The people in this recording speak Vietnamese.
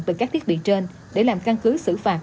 từ các thiết bị trên để làm căn cứ xử phạt